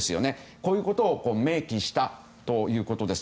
こういうことを明記したということです。